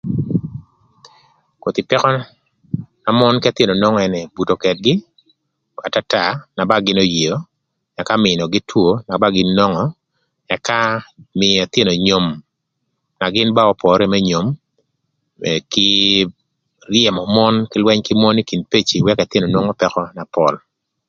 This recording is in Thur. Koth pëkö na mon k'ëthïnö nwongo ënë nï, buto këdgï atata na ba gïn oyeo, ëka mïnögï two na ba gïn nwongo, ëka mïö ëthïnö nyom na gïn ba opore më nyom, kï ryëmö mon kï lwëny kï mon ï kin peci, wëkö ëthïnö nwongo pëkö na pol.